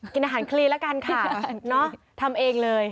กินอาหารคลีละกันค่ะทำเองเลย